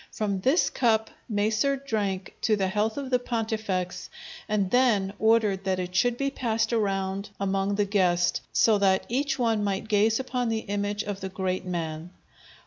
From this cup Macer drank to the health of the pontifex and then ordered that it should be passed around among the guests, so that each one might gaze upon the image of the great man.